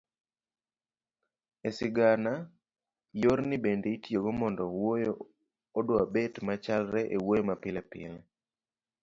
e sigana, yorni bende itiyogo mondo wuoyo odwabet machalre e wuoyo mapilepile